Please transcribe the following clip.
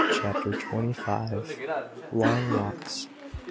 CHAPTER TWENTY FIVE. LONG WALKS.